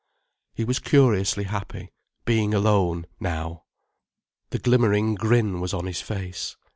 He was curiously happy, being alone, now. The glimmering grin was on his face.